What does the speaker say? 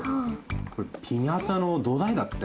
これピニャータのどだいだって。